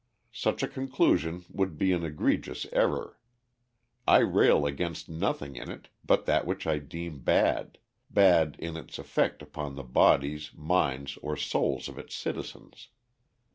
Such a conclusion would be an egregious error. I rail against nothing in it but that which I deem bad, bad in its effect upon the bodies, minds, or souls of its citizens.